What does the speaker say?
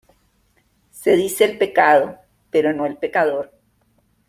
Se dice el pecado, pero no el pecador.